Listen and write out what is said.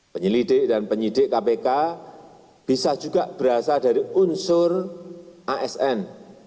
penyelidik dan penyidik kpk bisa juga berasal dari unsur asn